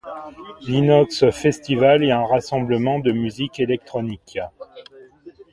L'inox festival est un rassemblement de musique électronique.